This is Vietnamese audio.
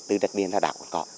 từ đất điện ra đảo cũng có